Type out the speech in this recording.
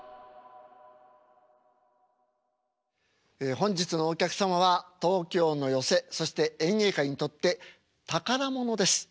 本日のお客様は東京の寄席そして演芸界にとって宝物です。